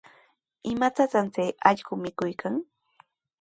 ¿Imatataq chay allqu mikuykan?